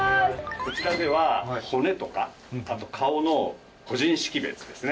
こちらでは骨とか顔の個人識別ですね。